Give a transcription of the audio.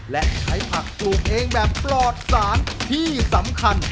และใช้ผักปลูกเองแบบปลอดสารที่สำคัญ